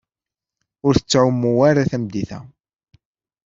Ur tettɛumu ara tameddit-a.